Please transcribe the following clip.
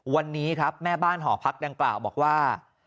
วันนี้ครับแม่บ้านหอพักดังกล่าวบอกว่า